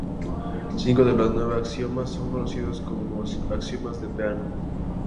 Cinco de los nueve axiomas son conocidos como axiomas de Peano.